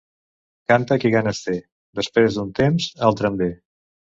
Canta qui ganes té; després d'un temps, altre en ve.